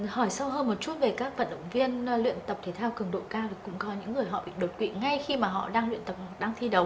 hỏi sau hơn một chút về các vận động viên luyện tập thể thao cường độ cao thì cũng có những người họ bị đột quỵ ngay khi mà họ đang luyện tập đang thi đấu